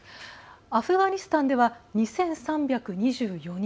アフガニスタンでは２３２４人。